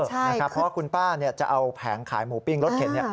เพราะว่าคุณป้าจะเอาแผงขายหมูปิ้งรถเข็น